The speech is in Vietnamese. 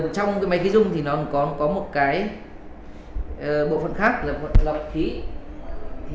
trong máy khí dung có một bộ phần khác là lọc khí